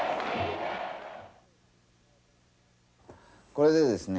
これでですね